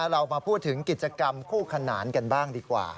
เรามาพูดถึงกิจกรรมคู่ขนานกันบ้างดีกว่า